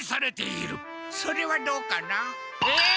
それはどうかな？え？